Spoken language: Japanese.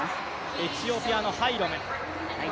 エチオピアのハイロム。